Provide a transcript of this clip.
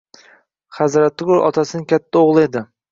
Hazratqul otasining katta oʻgʻli edi.